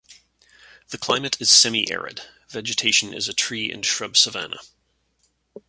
The climate is semi-arid, vegetation is a tree and shrub savanna.